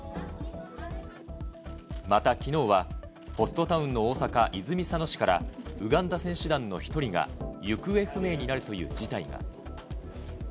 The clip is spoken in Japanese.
またきのうは、ホストタウンの大阪・泉佐野市から、ウガンダ選手団の１人が行方不明になるという事態が。